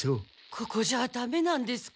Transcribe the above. ここじゃダメなんですか？